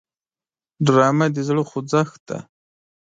ډرامه د زړه خوځښت دی